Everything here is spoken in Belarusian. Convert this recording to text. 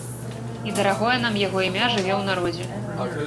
І дарагое нам яго імя жыве ў народзе.